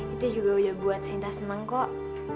itu juga udah buat sinta senang kok